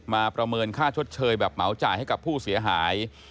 ประเมินค่าชดเชยแบบเหมาจ่ายให้กับผู้เสียหาย